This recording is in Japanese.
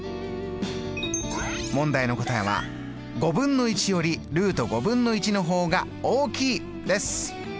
問題の答えはよりのほうが大きいです。